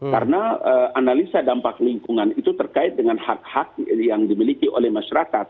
karena analisa dampak lingkungan itu terkait dengan hak hak yang dimiliki oleh masyarakat